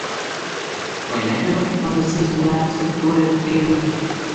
Vai negribat, lai jūs izvadāju apskates tūrē pa firmu?